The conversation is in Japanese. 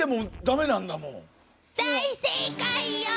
大正解よ！